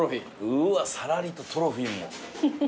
うわさらりとトロフィーも。